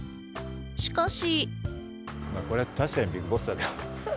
しかし。